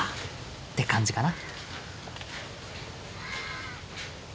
って感じかな？